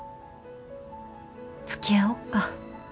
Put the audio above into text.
つきあおっか。